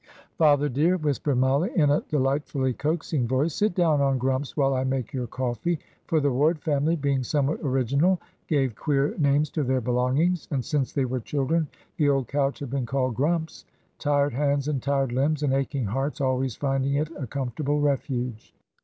"Father, dear," whispered Mollie, in a delightfully coaxing voice, "sit down on Grumps while I make your coffee;" for the Ward family, being somewhat original, gave queer names to their belongings; and since they were children the old couch had been called "Grumps," tired hands and tired limbs and aching hearts always finding it a comfortable refuge.